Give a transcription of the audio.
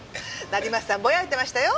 成増さんボヤいてましたよ。